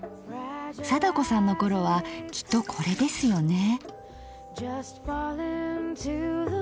貞子さんの頃はきっとこれですよね。